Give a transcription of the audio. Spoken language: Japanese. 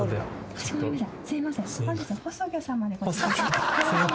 かしこまりました。